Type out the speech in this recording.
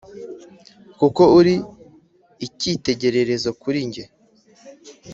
kuko uri ikitegererezo kuri nge